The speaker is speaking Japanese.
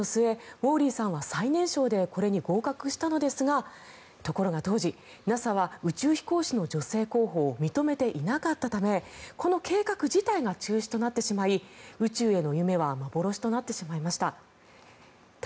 ウォーリーさんは最年少でこれに合格したのですがところが当時、ＮＡＳＡは宇宙飛行士の女性候補を認めていなかったためこの計画自体が中止となってしまい宇宙への夢は幻となってしまいました。